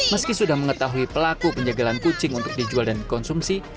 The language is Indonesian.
meski sudah mengetahui pelaku penjagalan kucing untuk dijual dan dikonsumsi